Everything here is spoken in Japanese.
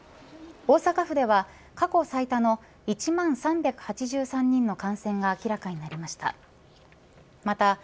大阪府では過去最多の１万３８３人の感染が明らかになりました。